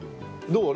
どう？